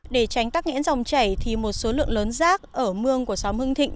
để tránh tắc nghẽn dòng chảy thì một số lượng lớn rác ở mương của xóm hưng thịnh